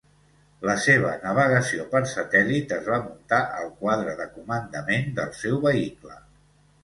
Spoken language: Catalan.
La seva navegació per satèl·lit es va muntar al quadre de comandament del seu vehicle